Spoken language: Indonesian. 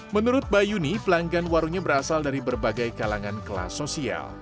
menurut bayuni pelanggan warungnya berasal dari berbagai kalangan kelas sosial